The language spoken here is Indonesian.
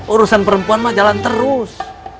urusan perempuan mah jalan terus